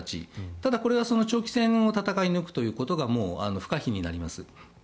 ただ、これは長期戦を戦い抜くということがもう不可避になります。